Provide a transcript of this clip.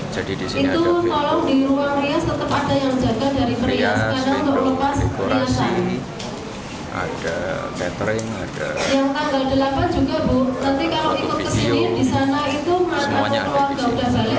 jadi disini ada video prias tim dekorasi ada catering ada video semuanya ada disini